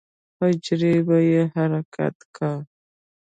حجرې به يې حرکت کا.